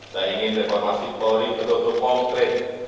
saya ingin reformasi polri betul betul konkret